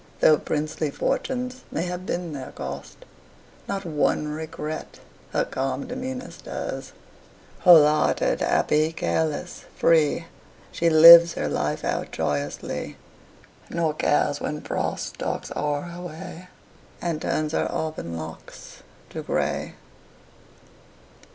Though princely fortunes may have been their cost, Not one regret her calm demeanor stirs. Whole hearted, happy, careless, free, She lives her life out joyously, Nor cares when Frost stalks o'er her way And turns her auburn locks to gray.